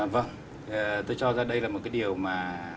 vâng tôi cho ra đây là một cái điều mà